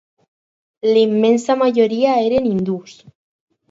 La immensa majoria eren hindús.